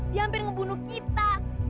dia hampir membunuh kita